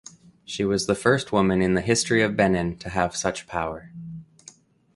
She was the first woman in the history of Benin to have such power.